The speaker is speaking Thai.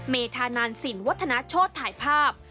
เมธานันสินวัฒนาโชธถ่ายภาพ